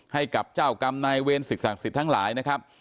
ให้กับเจ้ากรรมนายเวรสิ่งศักดิ์สิทธิ์ทั้งหลายนะครับ